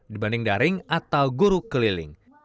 dibanding daring atau guru keliling